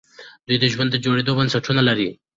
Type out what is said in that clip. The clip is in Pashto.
دوی د ژوند د جوړېدو بنسټونه لري.